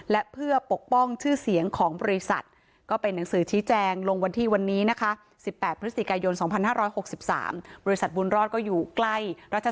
และเพื่อปกป้องชื่อเสียงของบริษัทก็เป็นหนังสือชี้แจงลงวันที่วันนี้นะคะ